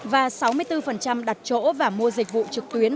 và sáu mươi bốn đặt chỗ và mua dịch vụ trực tuyến